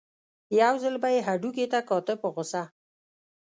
یو ځل به یې هډوکي ته کاته په غوسه.